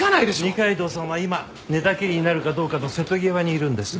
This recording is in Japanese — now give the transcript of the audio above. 二階堂さんは今寝たきりになるかどうかの瀬戸際にいるんです。